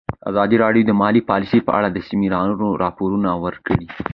ازادي راډیو د مالي پالیسي په اړه د سیمینارونو راپورونه ورکړي.